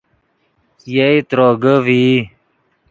یئے تروگے ڤئی